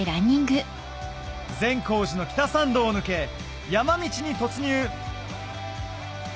善光寺の北参道を抜け山道に突入！